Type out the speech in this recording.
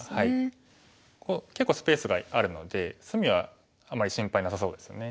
結構スペースがあるので隅はあんまり心配なさそうですよね。